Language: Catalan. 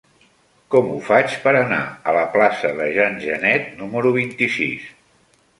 Com ho faig per anar a la plaça de Jean Genet número vint-i-sis?